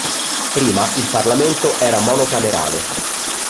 Prima il parlamento era monocamerale.